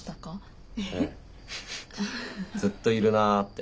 ずっといるなあって。